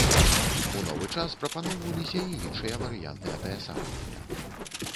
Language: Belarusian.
У новы час прапаноўваліся і іншыя варыянты атаясамлення.